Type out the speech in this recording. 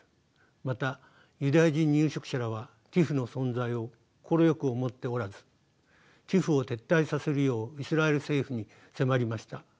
またユダヤ人入植者らはＴＩＰＨの存在を快く思っておらずＴＩＰＨを撤退させるようイスラエル政府に迫りました。